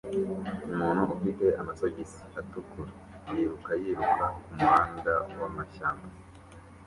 Umuntu ufite amasogisi atukura yiruka yiruka kumuhanda wamashyamba